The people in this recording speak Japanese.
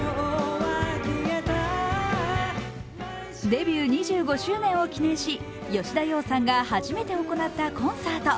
デビュー２５周年を記念し、吉田羊さんが初めて行ったコンサート。